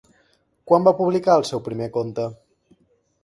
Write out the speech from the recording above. Quan va publicar el seu primer conte?